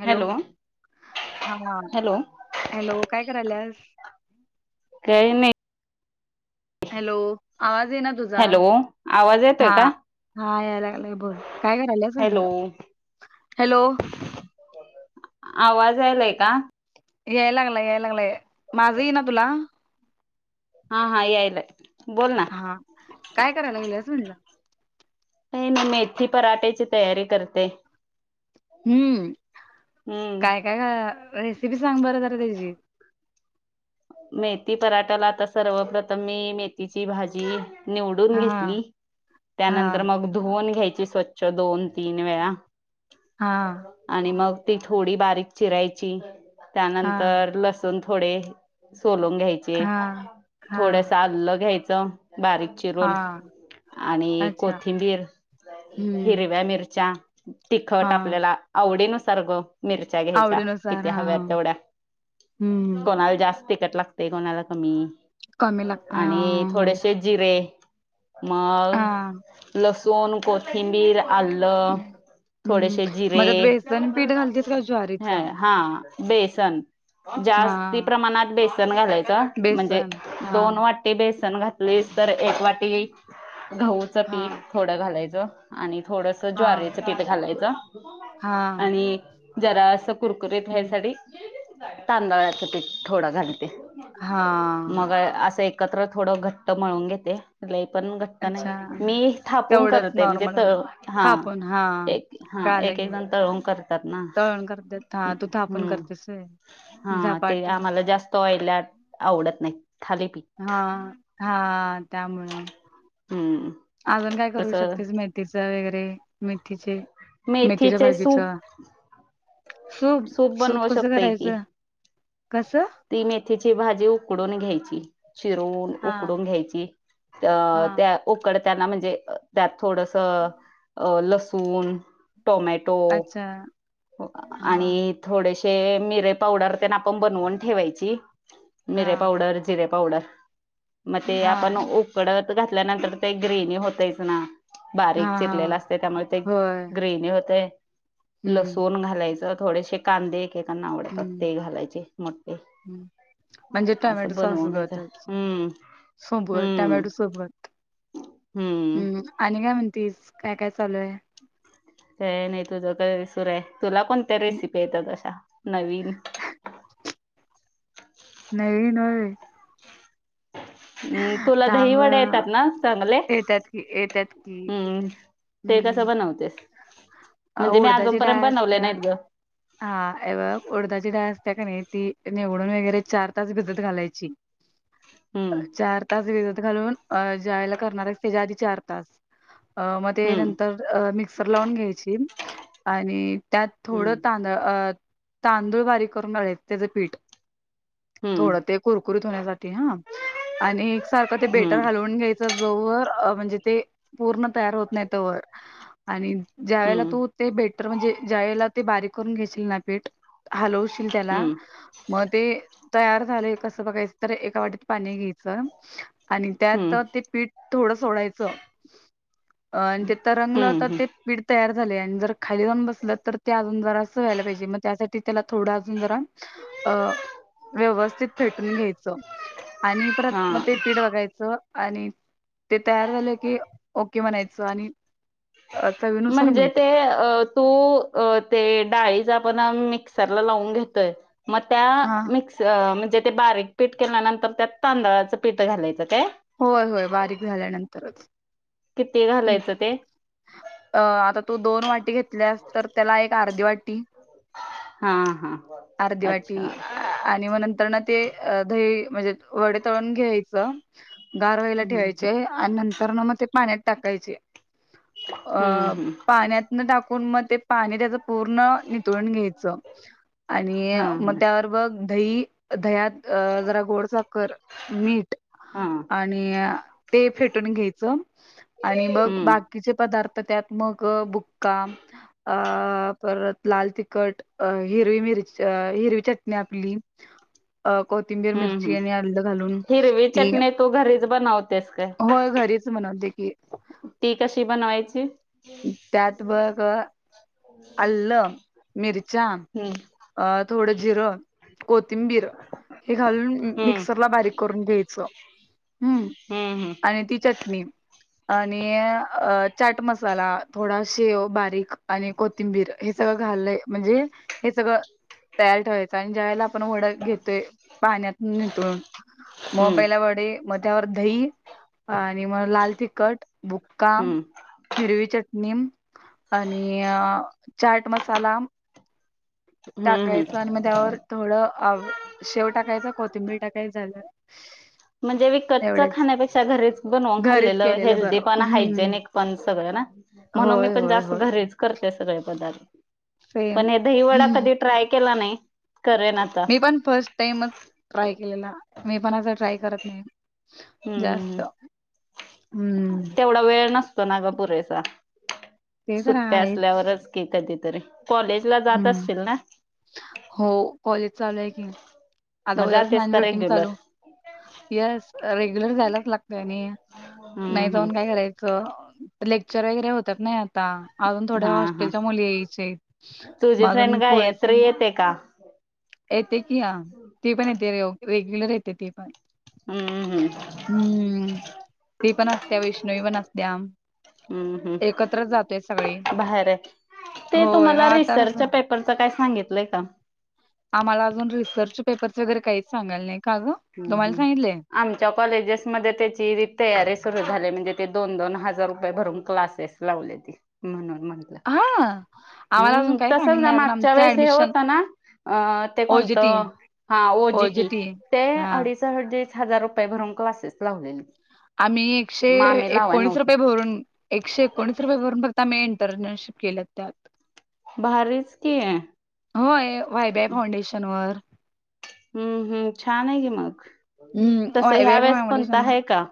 Hello! हा. Hello hello! काय? करायल्यास. काही नाही. हॅलो! आवाज येईना तुझ जा हॅलो आवाज येतोय हा. का यायला हा. लागलाय बघ काय? करायला लागल्यास हॅलो म्हटलं. हॅलो! आवाज यायलाय का? यायला लागलाय, यायला लागलाय, माझं येईना तुला. हा.. हा.. यायलाय बोल ना. हा. काय? कराय लागल्यास म्हणलं. काही नाही मेथी पराठेची तयारी करते. हम्म.. हम्म.. काय काय? गं रेसिपी सांग बर तेची. मेथी पराठाला आता, सर्वप्रथम मी मेथीची भाजी. निवडून हा घेतली. त्यानंतर हा मग, धुवन घ्यायची स्वच्छ दोन, तीन वेळा. हां. आणि मग, ती थोडी बारीक चिरायची. हा त्यानंतर लसूण थोडे. सोलून घ्यायचे, हा हा थोडंसं आल्लं घ्यायचं. बारीक. चिरून हा आणि अच्छा कोथिंबीर, हम्म हिरव्या मिरच्या. हा तिखट आपल्याला आवडी नुसार गं. मिरच्या घ्यायच्या आवडीनुसार किती हा हा हव्यात तेवढ्या हम्म कोणाला जास् तिकट लागते कोणाला कमी कमी लागत हा आणि थोडेसे जिरे मग, हा लसूण, कोथिंबीर, आलं. हा हम्म, थोडेसे मग जिरे. त्यात बेसन पीठ घालतीस का ह. ज्वारीचं? हा. बेसन जास्ती हां, प्रमाणात, बेसन घालायचं. म्हणजे बेसन हां, दोन वाट ते बेसन घातलीस तर, एक वाटी गहूच पीठ हां, थोडं घालायचं. आणि थोडंसं हां, ज्वारीचं पीठ घालायचं. हां, आणि जरा असं, कुरकुरीत व्हाय हं, साठी. तांदळाच पीठ थोडं घालते. मग, हां. असं एक एकत्र थोडं घ घट्ट मळून घेते. लय पण घट्ट अच्छा, नाही. मी थापून तेवढंच करते. म्हणजे नॉर्मल तळ हा. थापून हां, एक हा. कळालं एक, एक जण तळून करतात ना. हा. तू थापून हम्म करतीस होय. हा. ते आम्हाला जास्त ऑयली आवडत नाही. थाली पी हा. हा. त्यामुळं. हम्. अजून काय? करू शकतेस? मेथीच वगैरे मेथीचे. मेथीच्या मेथीचे सूप भाजीचा सूप, सूप बनवू कस? शकतोय की करायचं? कसं? ती मेथीची भाजी उकडून घ्यायची. चिरून, हां, उकडून घ्यायची. अ. हां, त्या उकडताना म्हणजे? त्यात थोडंसं लसूण, टोमॅटो. अच्छा आणि हां. थोडेसे, मिरे पावडर तेन आपण बनवून ठेवायची. मिरे हां. पावडर, जिरे पावडर, मग ते हा आपण उ कढत घातल्यानंतर ते ग्रेनी होतयच ना. हा बारीक हा चिरलेला असतयं त्यामुळे ते होय ग्रीनी होतय. हम्म लसुन घालायचं थोडेसे कांदे एकेकांना आवडतात हम्म ते घालायचे मोठी. हम्म म्हणजे टोमॅटो असं बनवून घ्यायचं. सॉसगतच हम्म. सोबत हम्म. टोमॅटो सोबत हम्म. आणि काय? म्हणतीस काय? कायचालू आहे. ते नाही तुझ काय सुरू आहे तुला कोणत्या रेसिपी येत तशा नवीन? नाही नये. उम्म तुला थांब दहीवडे येतात ना चांगले येतात की येतात की हम्म. ते कसं हम्म बनवतेस? अ म्हणजे मी उडदाची अजूनपर्यंत डाळ बनवले असत्या नाहीत ग हा हे बघ उडदाची डाळ असते का नाही ती निवडून वगैरे चार तास भिजत घालायची हम्म चार तास भिजत घालून अ ज्या वेळेला करणार आहेस त्याच्या आधी चार तास अ म ते हम्म. नंतर मिक्सर लावून घ्यायची आणि त्यात थोडं हम्म तांदळ अ तांदूळ बारीक करून घालाय त्याचं पीठ हम्म थोडं ते कुरकुरीत होण्यासाठी हा आणि एक सारखं ते बेटर हम्म. हालवून घ्याय च्या जो वर म्हणजे ते पूर्ण तयार होत नाहीत तो वर आणि ज्या वेळेला हम्म, तू ते बेटर म्हणजे ज्या वेळेला ते बारीक करून घेशील ना पीठ हलवशील त्याला. हम्म, मग ते तयार झालंय कसं बघायचं तर एका वाटीत पाणी घेयच. आणि त्यात हम्म, ते पीठ थोडं सोडायचं आणि ते तरंगलं हम्म, तर हम्म. ते. पीठ तयार झालंय आणि जर खाली जाऊन बसलं, तर ते अजून जरासं व्हायला पाहिजे. मग त्यासाठी त्याला अजून थोडं जरा अ व्यवस्थित फेटून घ्यायचं. आणि परत हा मग ते पीठ बघायचं. आणि ते तयार झालं की ओके म्हणायचं आणि अ, चवीनुसार म्हणजे मीठ ते अ तू अं ते डाळीच आपण आणून मिक्सरला लावून घेतोय. मग त्या हा मिक्स च म्हणजे ते बारीक पीठ केल्यानंतर त्यात तांदळाचं पीठ घालायचं काय? होय होय बारीक झाल्यानंतरच. किती घालायचं ते? अ आता तू दोन वाटी घेतल्यास, तर त्याला एक अर्धी वाटी. हा हा अर्धी वाटी अच्छा अ आणि मग नंतर ना ते दही म्हणजे वडे तळून घ्यायचं. गारवायला हम्म ठेवायचे आणि नंतर न म ते पाण्यात टाकायचे. अ हम्म हम्म पाण्यात न टाकून मग ते, पाणी त्याच पूर्ण नितळून घ्यायचं. आणि हा मग हा त्यावर बघ, दही दह्यात जरा गोडसाखर मीठ. हा आणि ते फेटून घ्यायचं आणि बघ हम्म बाकी कीचे पदार्थ त्यात मग बुक्का अ परत लाल तिखट अ हिरवी मिरच हिरवी चटणी आपली अं.. कोथिंबीर हम्म मिरची आणि आलं घालून ती, तो घरीच बनव होयं. घरीच बनवते की, ती कशी बनवायची. त्यात बघ, आलं मिरच्या. हम्म अ थोडं जिरं, कोथिंबीर. हे घालून हम्म मिक्सरला बारीक करून घ्यायचं. हम्म हम्म. आणि ती चटणी आणि चाट मस मसाला थोडा शेव बारीक आणि कोथिंबीर हे सगळं घालय म्हणजे हे सगळं तयार ठेवायचं आणि ज्या वेळेला पण वडा घेतोय पाण्यात नितळून मग हम्म पहिला वडे मग त्यावर दही आणि मग लाल तिखट, बुक्का. हम्म हिरवी चटणी आणि चाट मसाला. हम्म हम्म टाकायचं आणि मग त्यावर. थोडं आव शेव टाकायचा, कोथिंबीर टाकाय झालं. म्हणजे विकतचा एवढंच खाण्यापेक्षा घरीच बनवून घरीच खाल्लेलं केलेलं हेल्दी बरं पण हम्म. हायजेनिक पण सगळे ना. म्हणून मी होय पण होय जास्त होय घरीच करते सगळे पदार्थ सेम पण हे दही वडा कधी ट्राय केला नाही करेन आता. मी पण फर्स्ट टाईमच ट्राय केलेला मी पण अस ट्राय करत नाही. जास्त हम्म हम्म तेवढा वेळ नसतो ना गं पुरेसा ते तर सुट्टया आहेच असल्यावरच की कधीतरी कॉलेजला जात हम्म असतील ना. हो कॉलेज चालू आहेत की आता मग जातेस का उद्यापासून [unintelligible] रेग्युलर चालू. येस रेग्युलर जायलाच लागतय आणि नाही हम्म जाऊन काय हम्म करायचं? तर लेक्चर वगैरे होतात नाही आता अजून थोड्या हा हा हॉस्टेलच्या मुली यायचचेत. तुझी फ्रेंड का आहे तर येते का? येते की हा ती पण येते रेयो रेग्युलर येते ती पण. हम्म हम्म हम्म ती पण असत्या वैष्णवी पण असत्या. हम्म हम्म एकत्रच जातोय सगळी बाहेर आहे होय मग आता कस [unintelligible] पण काय सांगितलंय का? आम्हाला अजून रिसर्च पेपर्स वगैरे काहीच सांगाल नाही. का ग हम्म तुम्हाला हम्म. सांगितले आमच्या कॉलेजेसमध्ये ते जी नीट तयारी सुरू झाली म्हणजे ते दोन दोन हजार रुपये भरून क्लासेस लावले ती म्हणून म्हण हा. आम्हाला हम्म अजून काही तसच सांगितलं ना नाही अजून मागच्या आमच वेळेस हे ऍडमिशन होतं ना. अ ते कोणत ओजीटी हा ओ जी की ओजीटी ते हा ते अडीच हजार रुपये भरून क्लासेस लावलेत. आम्ही एकशे एकोणीस रुपये भरून एकशे एकोणीस रुपये वरून बघता आम्ही इंटर्नशिप केलं त्या. भारीच की. होय वायभाय फाउंडेशन वर. हम्म हम्म छान आहे की मग हं तसं ह्या वायबीआय वेळेस कोणता फाउंडेशनवर. आहे का?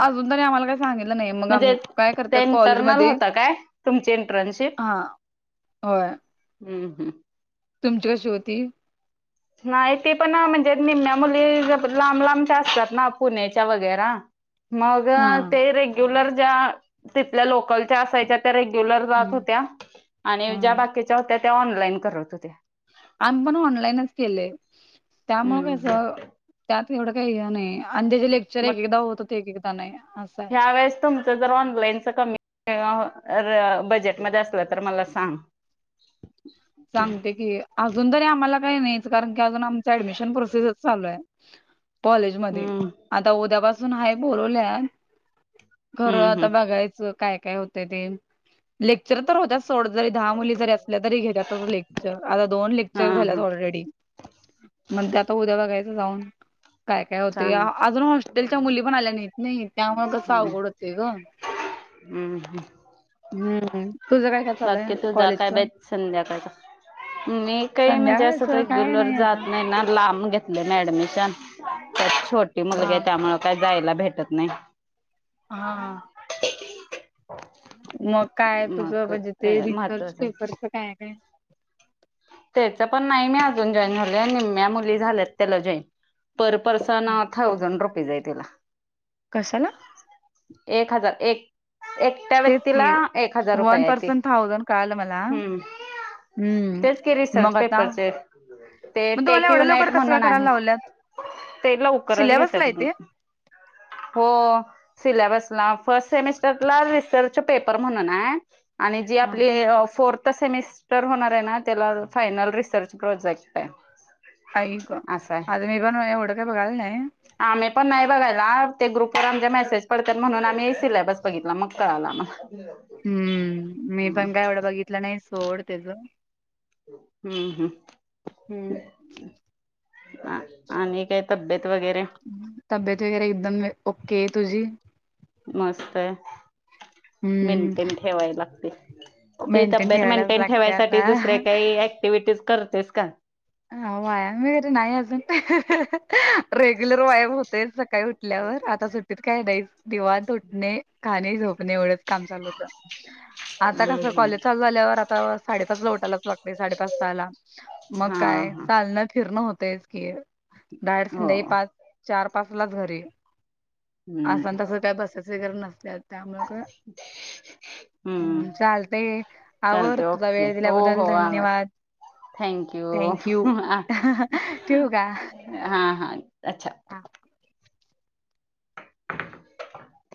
अजून तरी आम्हाला काय सांगितलं नाही मग आम म्हणजे काय ते करत्यात इंटरनल कॉलेजमध्ये होता काय तुमची इंटर्नशिप हां होय. हम हम्. तुमची कशी होती? नाही ते पण अ म्हणजे निम्म्या मुली लांब लांबच्या असतात ना पुणे चा वगैरा. मग हां ते रेग्युलर ज्या तिथल्या लोकलच्या असायच्या त्या रेग्युलर जात हं होत्या आणि ज्या हां बाकीच्या होत्या ते ऑनलाईन करत होत्या. आम्ही पण ऑनलाईनच केलेय त्यामुळं हम्म कसं त्यात एवढं काही ह्यो नाही आणि त्या जे लेक्चर एकदा होतं होते एकदा नाही असं आहे. त्यावेळेस तुमचं जर ऑनलाइनचं कमी [unintelligible] र बजेटमध्ये असलं तर मला सांग. सांगते की अजून तरी आम्हाला काही नाहीच कारण की अजून आमचं ऍडमिशन प्रोसेसच चालू आहे. कॉलेज मध्ये हम्म आता उद्यापासून हाय बोलवल्या. खरं हम्म आता हम्म बघायचं काय काय होतंय ते लेक्चर तर होत सोड जरी दहा मुली जरी असल्या तरी घेतात. लेक्चर आता, दोन हा लेक्चर झाल्यात हा ऑलरेडी. म्हणते, आता उद्या बघायचं जाऊन. काय काय होते सांग अजून हॉस्टेलच्या मुली पण आल्या नाहीत नाही त्यामुळे कसं हम्म अवघड होते ग. हम्म हम. हम्म. तुझं काय?? काय चालू आहे तुझा काय बाई कॉलेजच. संध्याकाळचा मी काही म्हणजे, असं संध्याकाळचं काय रेग्युलर नाही जात आता नाही. ना लांब घेत [unintelligible] ऍडमिशन तर छोटी मुलगी हा आहे. त्यामुळे काही जायला भेटत नाही. हा.. मग, काय? तुझं मग म्हणजे ते रिसर्च महत्वाचं पेपरच काय? काय? त्याच पण, नाही मी अजून जॉईन झाले. निम्म्या मुली झाल्यात त्याला join. Per person thousand rupees आहे. तिला. कशाला? एक. हजार. एक. एक. त्या तेच व्यक्तीला की एक हजार रुपये वन हायती. पर्सन थाउजंड कळालं मला हम्म. हम्म. तेच की, रिसर्च मग आता पेपरचे. ते मग तुम्हाला टेक एवढ्या युनाईट लवकर कसं काय म्हणून करायला आहे. लावल्यात ते लवकरच सिलेबसला घेतत्यात आहे म्हणे. ते? हो.. सिलॅबस ला, फर्स्ट सेमिस्टरला रिसर्च पेपर म्हणून आहे. आणि जी आपली, फोर्थ सेमिस्टर होणार आहे ना. त्याला आता फायनल रिसर्च प्रोजेक्ट आहे. आई ग असं आहे अजून, एक जण एवढं काय? बघाला नाही. आम्ही पण, नाही बघायला ते ग्रुपवर आमच्या मेसेज पडतात. म्हणून आम्ही पण सिलॅबस बघितला मग कळाला आम्हाला. [unintelligible] हम्म. मी हम्म पण काय? एवढा बघितलं नाही सोड त्याच. हम्म. हम्म. हम्म. आणि काय? तब्येत वगैरे. तब्येत वगैरे, एकदम ओके तुझी. मस्त! आहे. हम्म मेनटेन ठेवाय लागतंय. ती. मेंटेन तब्येत ठेवायलाच मेंटेन लागते ठेवायसाठी, दुसऱ्या आता. काही ऍक्टिव्हटीज करतेस का? हा. व्यायाम वगैरे नाही. अजून रेग्युलर व्यायाम हो तेच. सकाळी उठल्यावर आता सुट तिथं काय? नाही निंवात उठणे, खाणे, झोपणे एवढंच काम चालू होत. आता हम्म कसं? हम्म कॉलेज चालू झाल्यावर आता, साडे पाचला उठायलाच लागतंय. साडेपाच, सहा ला मग. हा काय? हा चालणं? फिरणं होतयच की, डायरेक्ट हो संध्याकाळी पाच. चार, पाच ला घरी हम्म असं तसं काय? बसायचय वगैरे नसत्यात. त्यामुळे ग. हम्म हम चालतंय. आवर चालते तुझा वेळ दिल्याबद्दल धन्यवाद. थँकयू. थँक यू ह. हा. ठेवू हा. अच्छा! हा.